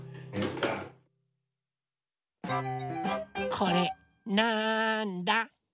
これなんだ？